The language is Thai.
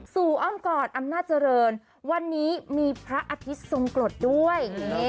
สู่อ้อมกอดอำนาจรรย์วันนี้มีพระอธิษฐ์ทรงกรดด้วย